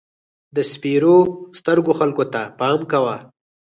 د سپېرو سترګو خلکو ته پام کوه.